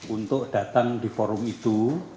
untuk datang di forum itu